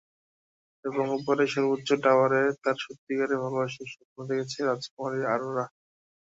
এবং ওপারের সর্বোচ্চ টাওয়ারে তার সত্যিকারের ভালবাসার স্বপ্ন দেখছে, রাজকুমারী অরোরা।